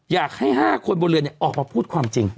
อยากให้๕คนบนเรือออกมาพูดความจริง